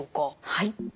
はい。